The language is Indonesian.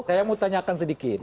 saya mau tanyakan sedikit